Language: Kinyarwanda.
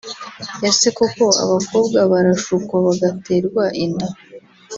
Ese koko abakobwa barashukwa bagaterwa inda